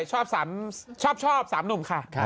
ชอบ๓หนุ่มค่ะ